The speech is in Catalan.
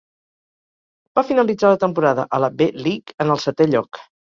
Va finalitzar la temporada a la V-League en el setè lloc.